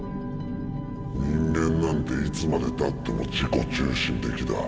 人間なんていつまでたっても自己中心的だ。